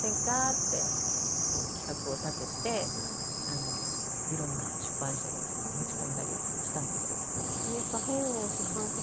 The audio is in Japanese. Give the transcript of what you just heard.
って企画を立てていろんな出版社に持ち込んだりしたんです。